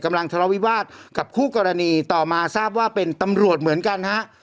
กำลังทะเลาวิวาสกับคู่กรณีต่อมาทราบว่าเป็นตำรวจเหมือนกันฮะ